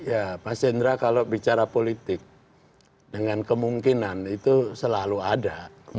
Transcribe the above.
ya mas hendra kalau bicara politik dengan kemungkinan itu selalu ada